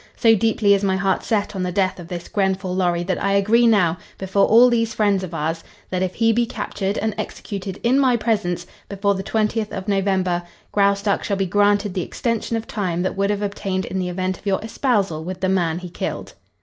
So deeply is my heart set on the death of this Grenfall Lorry that I agree now, before all these friends of ours, that if he be captured, and executed in my presence, before the twentieth of November, Graustark shall be granted the extension of time that would have obtained in the event of your espousal with the man he killed.